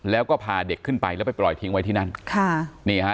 แล้วก็พาเด็กขึ้นไปแล้วไปปล่อยทิ้งไว้ที่นั่นค่ะนี่ฮะ